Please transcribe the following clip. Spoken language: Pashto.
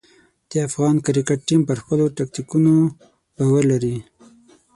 د افغان کرکټ ټیم پر خپلو ټکتیکونو باور لري.